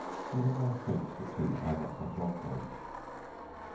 These are nice cakes for tea either hot or cold.